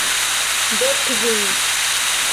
Dek kvin!